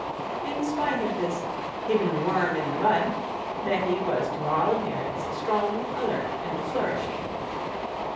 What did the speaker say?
In spite of this "hidden worm i' th' bud," Betty was to all appearance strong, alert, and flourishing.